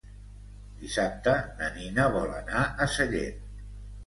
Dissabte na Nina vol anar a Sallent.